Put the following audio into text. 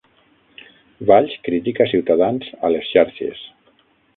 Valls critica Ciutadans a les xarxes